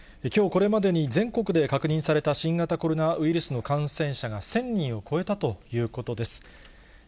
きょうこれまでに全国で確認された新型コロナウイルスの感染者が１０００人を超えたということです。